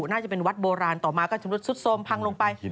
น่าจะเป็นวัดโบราณต่อมาก็จะมีรถซุดโซมพังลงไป